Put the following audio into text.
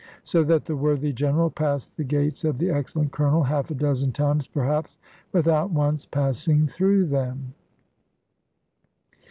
So that the worthy General passed the gates of the excellent Colonel, half a dozen times perhaps, without once passing through them.